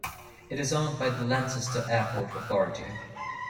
It is owned by the Lancaster Airport Authority.